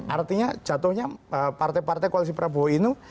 artinya jatuhnya partai partai koalisi prabowo ini